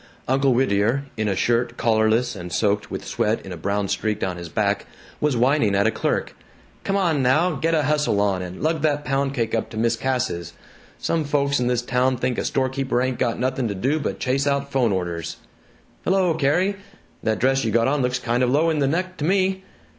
Uncle Whittier, in a shirt collarless and soaked with sweat in a brown streak down his back, was whining at a clerk, "Come on now, get a hustle on and lug that pound cake up to Mis' Cass's. Some folks in this town think a storekeeper ain't got nothing to do but chase out 'phone orders. ... Hello, Carrie. That dress you got on looks kind of low in the neck to me.